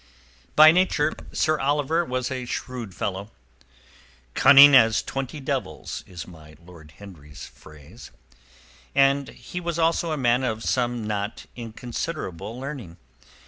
By nature Sir Oliver was a shrewd fellow ("cunning as twenty devils," is my Lord Henry's phrase) and he was also a man of some not inconsiderable learning.